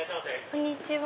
こんにちは。